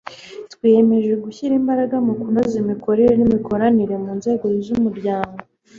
twiyemeje gushyira imbaraga mu kunoza imikorere n'imikoranire mu nzego z'umuryango